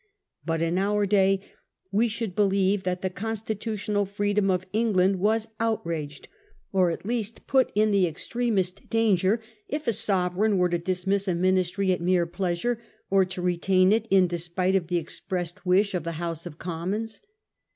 But in our day we should believe that the constitutional freedom of England was out raged, or at least put in the extremest danger, if a sovereign were to dismiss a ministry at mere pleasure, or to retain it in despite of the expressed wish of the House of Commons.